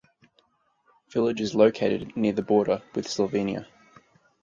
Village is located near the border with Slovenia.